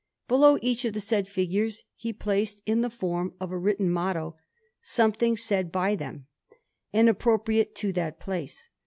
Below each of the said figures he placed, in the form of a written motto, something said by them, and appropriate to that place.